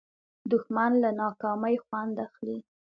دښمن له ناکامۍ خوند اخلي